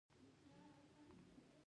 د روم امپراتورۍ له برېټانیا لاس واخیست.